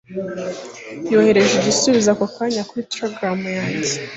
Yohereje igisubizo ako kanya kuri telegaramu yanjye.